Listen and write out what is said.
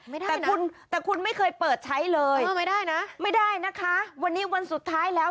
ไม่ได้นะแต่คุณไม่เคยเปิดใช้เลยไม่ได้นะคะวันนี้วันสุดท้ายแล้ว